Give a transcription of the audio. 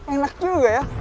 enak juga ya